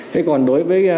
thế còn đối với